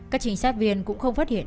các trinh sát viên cũng không phát hiện